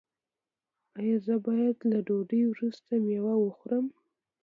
ایا زه باید له ډوډۍ وروسته میوه وخورم؟